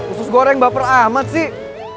usus goreng baper amat sih